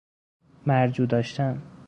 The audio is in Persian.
مرجوع داشتن